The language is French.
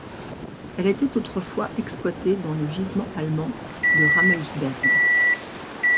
Elle était autrefois exploitée dans le gisement allemand de Rammelsberg.